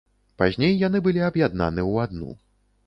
Пазней яны былі аб'яднаны ў адну.